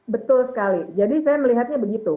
betul sekali jadi saya melihatnya begitu